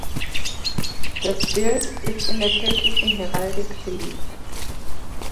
Das Bild ist in der kirchlichen Heraldik beliebt.